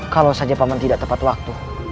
kalau saja paman tidak tepat waktu